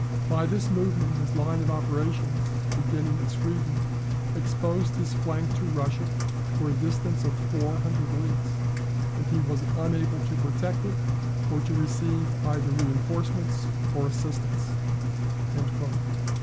By this movement his line of operations, beginning at Sweden, exposed his flank to Russia for a distance of four hundred leagues, and he was unable to protect it, or to receive either reinforcements or assistance."